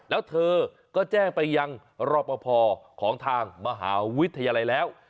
แล้วเธอก็แจ้งไปยังรอปภของทางมหาวิทยาลัยแล้ว